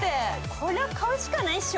これは買うしかないっしょ。